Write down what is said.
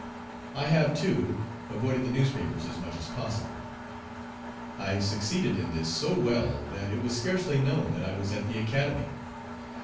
I have, too, avoided the newspapers as much as possible. I succeeded in this so well that it was scarcely known that I was at the Academy.